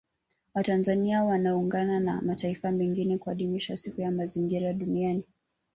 Watanzania wanaungana na mataifa mengine kuadhimisha Siku ya Mazingira Duniani